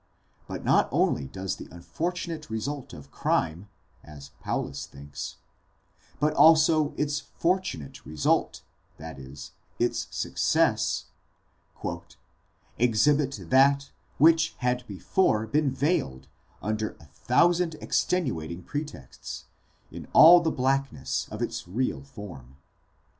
But not only does the unfortunate result of crime, as Paulus thinks, but also its fortunate result, that is, its success, '' exhibit that which had before been veiled under a thousand extenuating pretexts, in all the blackness of its real form."